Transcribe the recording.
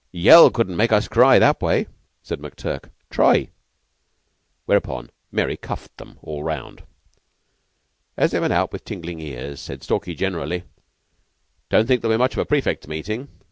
Yell couldn't make us cry that way," said McTurk. "Try." Whereupon Mary cuffed them all round. As they went out with tingling ears, said Stalky generally, "Don't think there'll be much of a prefects' meeting."